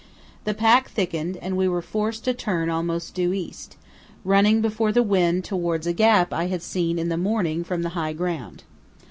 The pack thickened and we were forced to turn almost due east, running before the wind towards a gap I had seen in the morning from the high ground.